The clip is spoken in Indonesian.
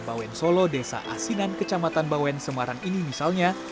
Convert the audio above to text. bawen solo desa asinan kecamatan bawen semarang ini misalnya